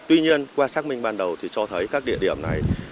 tuy nhiên qua xác minh ban đầu thì cho thấy các địa điểm này